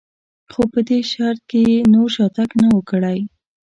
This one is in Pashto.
خو په دې شرط که یې نور شاتګ نه و کړی.